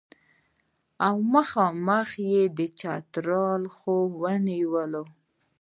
او مخامخ یې د چترال خوا ونیوله.